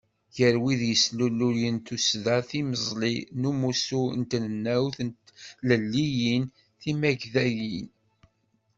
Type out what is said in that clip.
Gar wid i d-yeslulen Tuddsa Timeẓlit n Umussu i Trennawt n Tlelliyin Timagdayin.